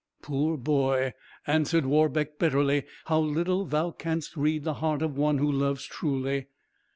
"Poor boy!" answered Warbeck, bitterly; "how little thou canst read the heart of one who loves truly!